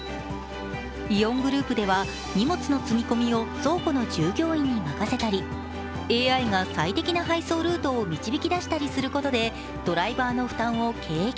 イオングループでは、荷物の積み込みを倉庫の従業員に任せたり、ＡＩが最適な配送ルートを導き出したりすることでドライバーの負担を軽減。